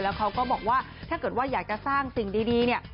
แล้วเขาก็บอกว่าถ้าเกิดอยากจะสร้างสิ่งดี